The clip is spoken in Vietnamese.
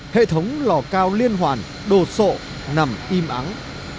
hệ thống lò cao liên hoàn đồ sộ nằm im ắng